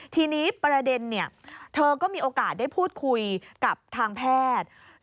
ทีนี้ประเด็นเธอก็มีโอกาสได้พูดคุยกับทางแพทย์